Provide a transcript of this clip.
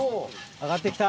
上がって来た。